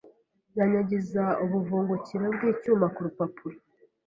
nyanyagiza ubuvungukira bw’icyuma ku rupapuro